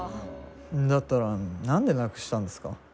だったら何でなくしたんですか？